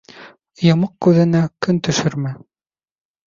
Йомоҡ күҙеңә көн төшөрмә.